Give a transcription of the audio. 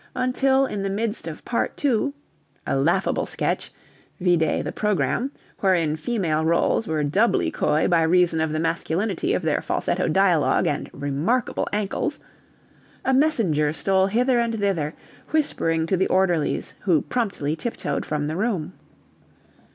Until, in the midst of Part II ("A Laughable Sketch" vide the programme wherein female rôles were doubly coy by reason of the masculinity of their falsetto dialogue and remarkable ankles) a messenger stole hither and thither, whispering to the orderlies, who promptly tiptoed from the room.